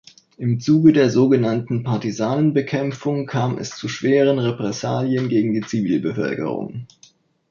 Im Zuge der sogenannten „Partisanenbekämpfung“ kam es zu schweren Repressalien gegen die Zivilbevölkerung.